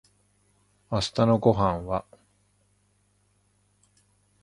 明日のご飯は